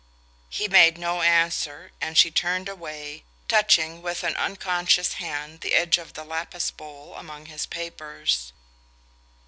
He made no answer, and she turned away, touching with an unconscious hand the edge of the lapis bowl among his papers.